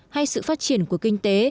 hay sự phát triển của kinh tế